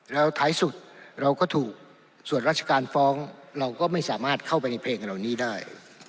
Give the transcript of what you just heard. แล้วท้ายสุดเราก็ถูกส่วนราชการฟ้องเราก็ไม่สามารถเข้าไปในเพลงเหล่านี้ได้